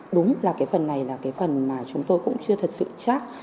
đúng là cái phần này là cái phần mà chúng tôi cũng chưa thật sự chắc